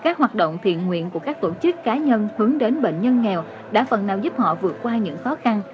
các hoạt động thiện nguyện của các tổ chức cá nhân hướng đến bệnh nhân nghèo đã phần nào giúp họ vượt qua những khó khăn